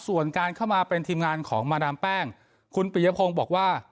ส่วนการเข้ามาเป็นทีมงานของมาดามแป้งคุณปิยพงศ์บอกว่า